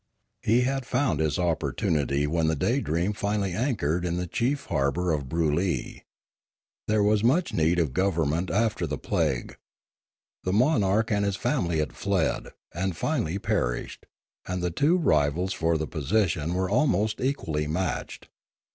He had found his opportunity when the Daydream finally anchored in the chief harbour of Broolyi. There was much need of government after the plagiie; the monarch and his family had fled and finally per ished ; and the two rivals for the position were almost equally matched.